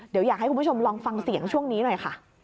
เดี๋ยวอยากให้คุณผู้ชมลองฟังเสียงช่วงนี้หน่อยค่ะ